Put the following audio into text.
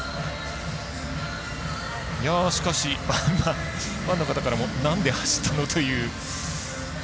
しかし、ファンの方からもなんで走ったの？という。